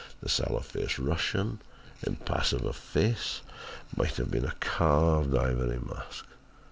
The sallow faced Russian, impassive of face, might have been a carved ivory mask.